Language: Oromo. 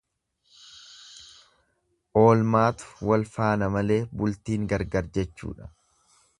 Oolmaatu wal faana malee bultiin gargari jechuudha.